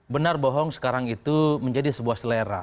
benar bohong sekarang itu menjadi sebuah selera